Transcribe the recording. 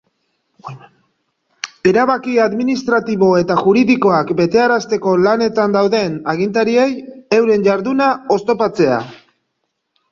Erabaki administratibo eta juridikoak betearazteko lanetan dauden agintariei euren jarduna oztopatzea.